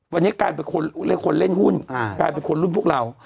วันนี้กลายเป็นคนเล่นหุ้นกลายเป็นคนรุ่นพวกเรา